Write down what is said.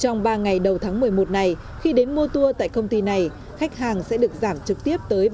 trong ba ngày đầu tháng một mươi một này khi đến mua tour tại công ty này khách hàng sẽ được giảm trực tiếp tới ba mươi năm